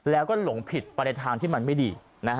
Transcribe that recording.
แล้วก็หลงผิดไปในทางที่มันไม่ดี